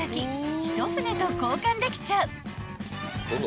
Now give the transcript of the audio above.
１舟と交換できちゃう］